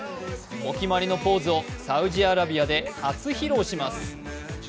お決まりのポーズをサウジアラビアで初披露します。